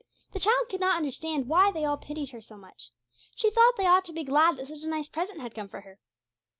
The child could not understand why they all pitied her so much. She thought they ought to be glad that such a nice present had come for her.